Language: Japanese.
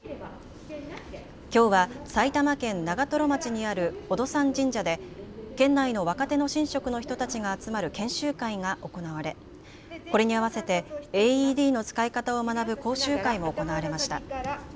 きょうは埼玉県長瀞町にある宝登山神社で県内の若手の神職の人たちが集まる研修会が行われこれにあわせてＡＥＤの使い方を学ぶ講習会も行われました。